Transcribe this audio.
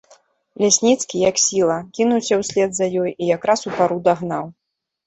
Лясніцкі, як сіла, кінуўся ўслед за ёй і якраз упару дагнаў.